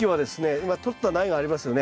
今とった苗がありますよね。